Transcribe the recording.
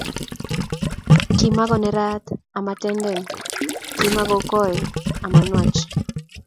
Kimako nerat ama tenten kimako koi ama nwach